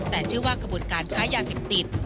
แต่เชื่อว่ากระบวนการค้ายาเสพติด